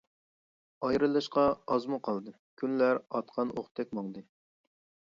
ئايرىلىشقا ئازمۇ قالدى، كۈنلەر ئاتقان ئوقتەك ماڭدى.